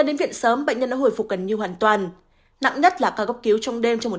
đến viện sớm bệnh nhân đã hồi phục gần như hoàn toàn nặng nhất là ca cấp cứu trong đêm cho một